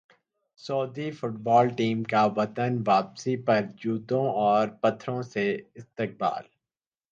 سعودی football team کا وطن واپسی پر جوتوں اور پتھروں سے استقبال